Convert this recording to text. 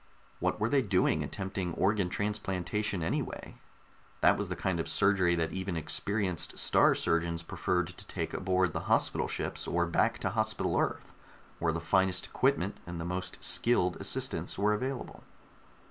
What were they doing attempting organ transplantation, anyway? That was the kind of surgery that even experienced Star Surgeons preferred to take aboard the hospital ships, or back to Hospital Earth, where the finest equipment and the most skilled assistants were available.